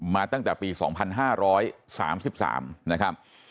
ตั้งแต่ปี๒๕๓๓นะครับ